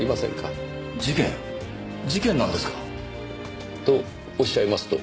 事件なんですか？とおっしゃいますと？